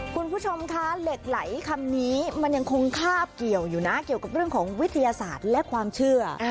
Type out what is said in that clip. คุณผู้ชมคะเหล็กไหลคำนี้มันยังคงคาบเกี่ยวอยู่นะเกี่ยวกับเรื่องของวิทยาศาสตร์และความเชื่อ